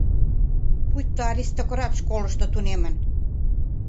Пуйто аристократ школышто тунемын.